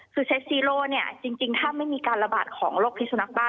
คือเซ็ตซีโร่เนี่ยจริงถ้าไม่มีการระบาดของโรคพิสุนักบ้า